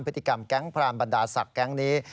พฤติกรรมแก๊งพรานบรรดาศักดิ์แก๊งนี้